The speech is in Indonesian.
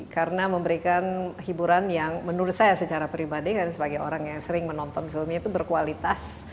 karena memberikan hiburan yang menurut saya secara pribadi sebagai orang yang sering menonton filmnya itu berkualitas